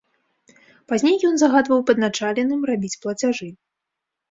Пазней ён загадваў падначаленым рабіць плацяжы.